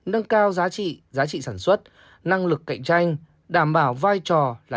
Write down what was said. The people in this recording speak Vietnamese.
nâng cao giá trị giá trị sản xuất năng lực cạnh tranh đảm bảo vai trò là trụ đỡ của nền kinh tế nước ta